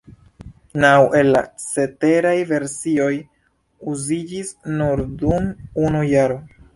Naŭ el la ceteraj versioj uziĝis nur dum unu jaro.